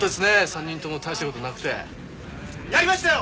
３人とも大したことなくてやりましたよ！